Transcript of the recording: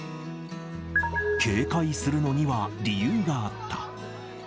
警戒するのには理由があった。